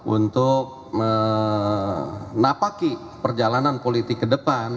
untuk menapaki perjalanan politik ke depan